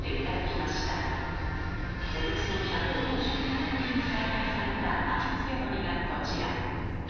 およそ１５０年ぶりに再現された味付けのりがこちら。